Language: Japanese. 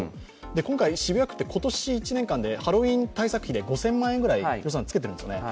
今回、渋谷区ってハロウィーン対策費で５０００万円ぐらい予算つけているんですよね。